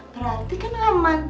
berarti kan aman